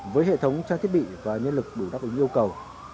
với hệ thống trang thiết bị và nhân lực đủ đáp ứng yêu cầu